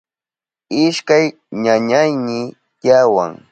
Ishkay ñañayni tiyawan.